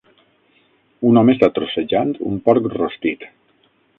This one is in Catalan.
Un home està trossejant un porc rostit.